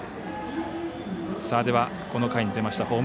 では、この回に出ました